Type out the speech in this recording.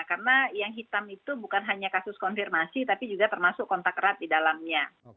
karena yang hitam itu bukan hanya kasus konfirmasi tapi juga termasuk kontak erat di dalamnya